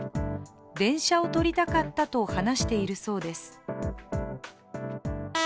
電車を撮りたかったと話しているそうです。